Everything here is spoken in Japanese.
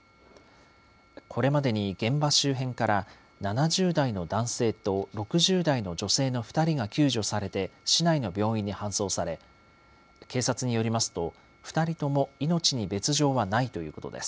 これまでに現場周辺から、７０代の男性と６０代の女性の２人が救助されて、市内の病院に搬送され、警察によりますと、２人とも命に別状はないということです。